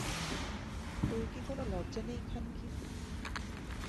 তোর কি কোন লজ্জা নেই, খানকি!